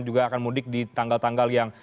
juga akan mudik di tanggal tanggal yang